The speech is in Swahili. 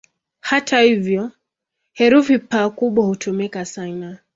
Hata hivyo, herufi "P" kubwa hutumika sana.